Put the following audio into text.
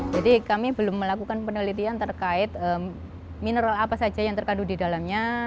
jadi kami belum melakukan penelitian terkait mineral apa saja yang terkandung di dalamnya